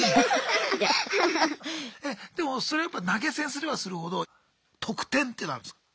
でもそれやっぱ投げ銭すればするほど特典っていうのあるんですか？